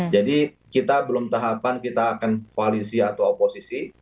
jadi kita belum tahapan kita akan koalisi atau oposisi